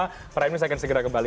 pada hari ini saya akan segera kembali